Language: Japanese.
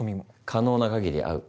可能な限り会う。